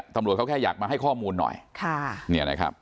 ตำรวจเขาแค่อยากมาให้ข้อมูลหน่อยค่ะเนี่ยนะครับ